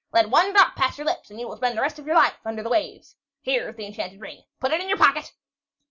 Let one drop pass your lips, and you will spend the rest of your life under the waves. Here is the enchanted ring. Put it in your pocket."